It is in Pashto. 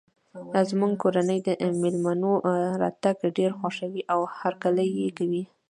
زموږ کورنۍ د مېلمنو راتګ ډیر خوښوي او هرکلی یی کوي